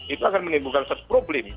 itu akan menimbulkan problem